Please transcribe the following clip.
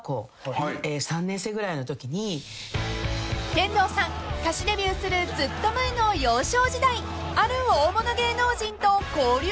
［天童さん歌手デビューするずっと前の幼少時代ある大物芸能人と交流があったそうで］